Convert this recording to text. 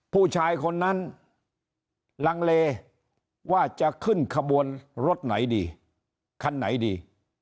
ผู้ชายคนนั้นลังเลว่าจะขึ้นขบวนรถไหนดีคันไหนดี